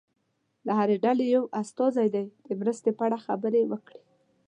له هرې ډلې یو استازی دې د مرستې په اړه خبرې وکړي.